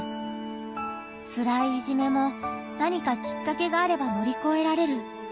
つらいいじめも何かきっかけがあれば乗り越えられる。